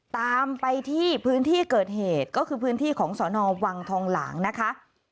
ตามไปที่พื้นที่เกิดเหตุก็คือพื้นที่ของสนวังทองหลางนะคะ